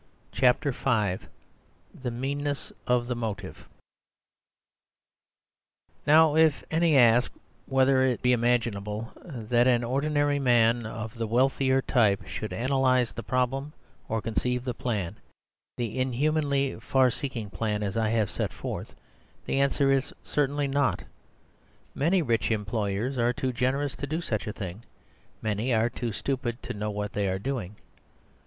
CHAPTER V THE MEANNESS OF THE MOTIVE Now, if any ask whether it be imaginable that an ordinary man of the wealthier type should analyse the problem or conceive the plan, the inhumanly far seeing plan, as I have set it forth, the answer is: "Certainly not." Many rich employers are too generous to do such a thing; many are too stupid to know what they are doing.